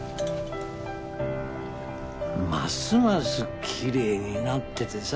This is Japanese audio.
ますますきれいになっててさ。